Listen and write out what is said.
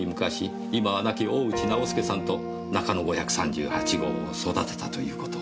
今は亡き大内直輔さんと中野５３８号を育てたという事を。